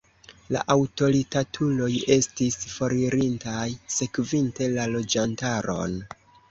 La aŭtoritatuloj estis foririntaj, sekvinte la loĝantaron.